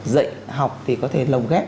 dạy học thì có thể lồng ghép